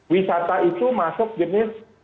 wisata itu masuk jenis